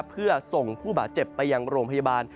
เพื่อส่งผู้บาดเจ็บไปยังโรงพยาบาล